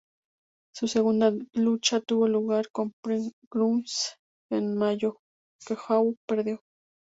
Su segunda lucha tuvo lugar en "Proving Grounds" en mayo, que Havok perdió.